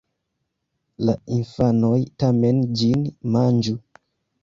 la infanoj tamen ĝin manĝu.